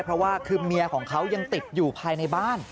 เพราะว่าคือเมียของเขายังติดอยู่ภายในบ้าน